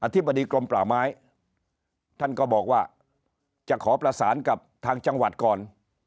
ธิบดีกรมป่าไม้ท่านก็บอกว่าจะขอประสานกับทางจังหวัดก่อน